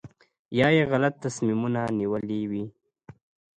یا یې غلط تصمیمونه نیولي وي.